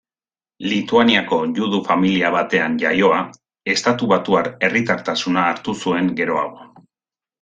Lituaniako judu familia batean jaioa, estatubatuar herritartasuna hartu zuen geroago.